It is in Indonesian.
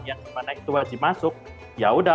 yang dimana itu wajib masuk yaudah